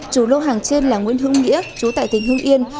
chủ lộ hàng trên là nguyễn hương nghĩa chú tại tỉnh hương yên